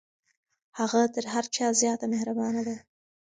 هغه تر هر چا زیاته مهربانه ده.